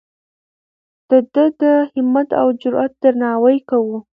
د ده د همت او جرئت درناوی کوو.